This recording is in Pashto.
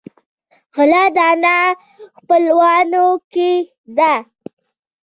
غله دانه خپلواکي ده.